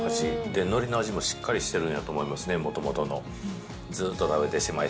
で、のりの味もしっかりしてるんやと思いますね、もともとの。